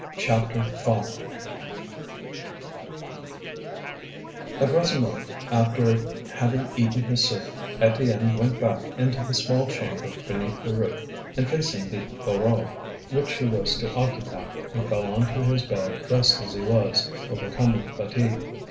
CHAPTER V At Rasseneur's, after having eaten his soup, Étienne went back into the small chamber beneath the roof and facing the Voreux, which he was to occupy, and fell on to his bed dressed as he was, overcome with fatigue.